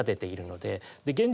で現状